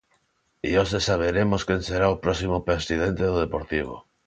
E hoxe saberemos quen será o próximo presidente do Deportivo.